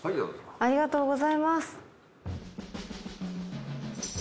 ありがとうございます。